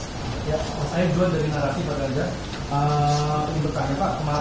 saya juga dari narasi pak ganjar